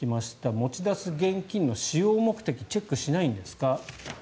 持ち出す現金の使用目的チェックしないんですか。